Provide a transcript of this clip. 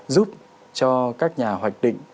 giúp cho các nhà hoạch định